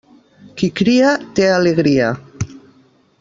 Qui cria, té alegria.